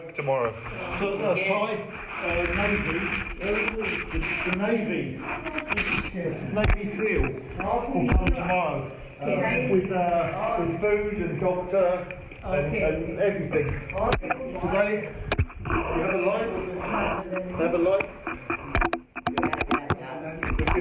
กลับมาทางนี้ด้วยแล้วกลับมาทางนี้